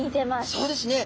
そうですね。